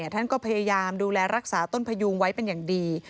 ท่านก็พยายามดูแลรักษาต้นพยุงไว้เป็นอย่างดี